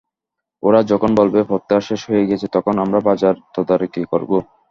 ওরা যখন বলবে, প্রত্যাহার শেষ হয়ে গেছে, তখন আমরা বাজার তদারকি করব।